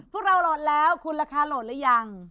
พวกเราโหลดแล้วคุณราคาโหลดหรือยัง